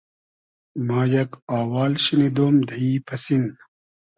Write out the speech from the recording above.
ما یئگ آوال شینیدۉم دۂ ای پئسین